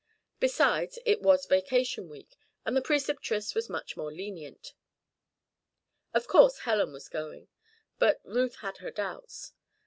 Besides, it was vacation week, and the Preceptress was much more lenient. Of course, Helen was going; but Ruth had her doubts.